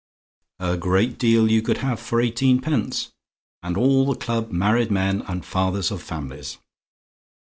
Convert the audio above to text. A great deal you could have for eighteenpence! And all the Club married men and fathers of families.